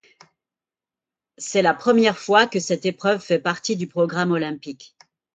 C'est la première fois que cette épreuve fait partie du programme olympique.